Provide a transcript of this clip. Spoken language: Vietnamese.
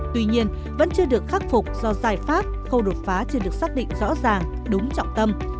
tuy nhiên vẫn chưa được khắc phục do giải pháp khâu đột phá chưa được xác định rõ ràng đúng trọng tâm